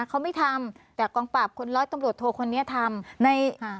เขาไม่ทำแต่กองปราบคนร้อยตำรวจโทคนนี้ทำในอ่า